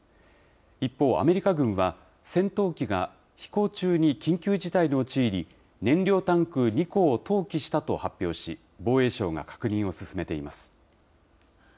一方、アメリカ軍は戦闘機が飛行中に緊急事態に陥り、燃料タンク２個を投棄したと発表し、防衛省が確認を進めています。